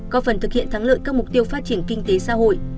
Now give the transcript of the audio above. có phần thực hiện thắng lợi các mục tiêu phát triển kinh tế xã hội